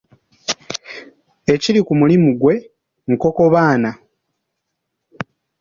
Ekiri ku mulimu gwe, nkoko baana.